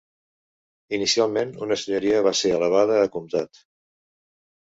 Inicialment una senyoria va ser elevada a comtat.